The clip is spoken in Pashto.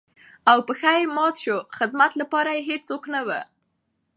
او پښه يې ماته شوه ،خدمت لپاره يې هېڅوک نه وو.